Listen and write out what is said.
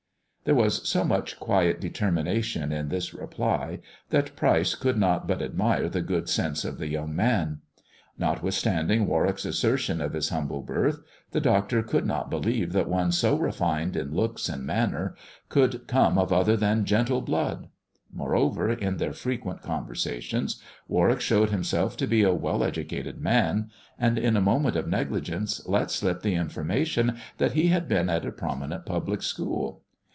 There was so much quiet determination in this reply, that Pryce could not but admire the good sense of the young man. Notwithstanding Warwick's assertion of his humble birth, the doctor could not believe that one so refined in looks and manner could come of other than gentle blood. Moreover, in their frequent conversations, Warwick showed himself to be a well educated man; and in a moment of negligence let slip the information that he had been at a prominent public school.